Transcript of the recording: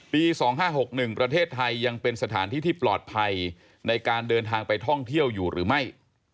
ปี๒๕๖๑ประเทศไทยยังเป็นสถานที่ที่ปลอดภัยในการเดินทางไปท่องเที่ยวอยู่หรือไม่